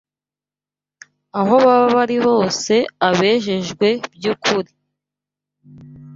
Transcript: Aho baba bari hose, abejejwe by’ukuri